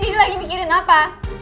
di sini lagi mikirin apa